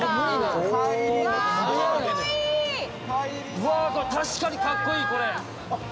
うわ確かにかっこいいこれ！